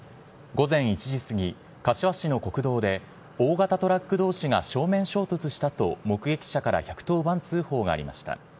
午前１時過ぎ、柏市の国道で大型トラックどうしが正面衝突したと、目撃者から１１０番通報がありました。